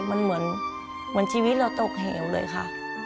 มันเหมือนชีวิตเราตกเหวเลยค่ะ